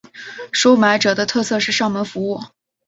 收买者的特色是上门服务。